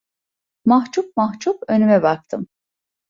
Mahcup mahcup önüme baktım.